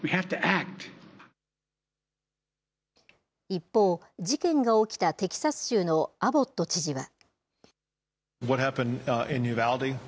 一方、事件が起きたテキサス州のアボット知事は。